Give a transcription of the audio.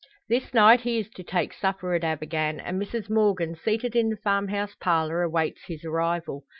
This night he is to take supper at Abergann, and Mrs Morgan, seated in the farm house parlour, awaits his arrival.